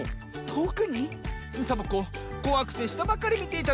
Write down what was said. サボ子こわくてしたばかりみていたの。